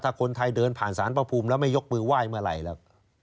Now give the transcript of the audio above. ถ้าคนไทยเดินผ่านสารพระภูมิแล้วไม่ยกมือไหว้เมื่อไหร่แล้ว